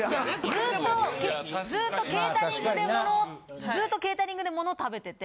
ずっとずっとケータリングで物ずっとケータリングで物食べてて。